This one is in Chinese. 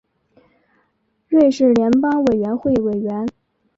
瑞士联邦委员会委员。